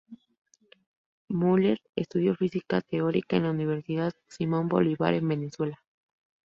Möller estudió física teórica en la Universidad Simón Bolívar en Venezuela.